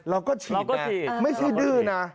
เราก็ฉีดไม่ใช่ดื้อนะ